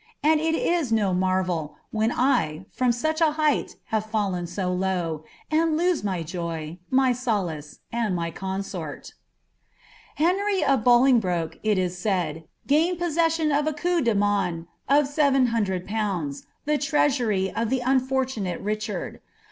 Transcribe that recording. And it is no marvel, when I from such a height have fallen so low, and lose niy Joy, my sohice, and my consort." ' Henry of Bolingbroke, tl is said, gained poasession by a coup do main of 700,000/., Ihe treasury of ihe unfortunate Richard.